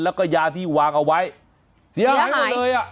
แล้วก็ยาที่วางเอาไว้เสียหายหมดเลยอ่ะ